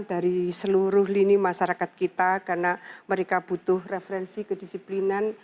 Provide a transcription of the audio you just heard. dari seluruh lini masyarakat kita karena mereka butuh referensi kedisiplinan